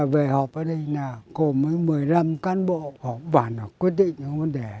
về họp ở đây là cùng với một mươi năm can bộ họp bàn họp quyết định vấn đề